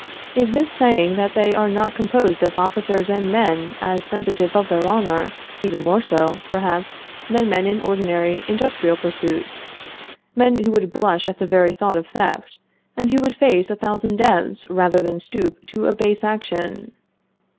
Is this saying that they are not composed of officers and men as sensitive of their honor, even more so, perhaps, than men in ordinary industrial pursuits men who would blush at the very thought of theft, and who would face a thousand deaths rather than stoop to a base action?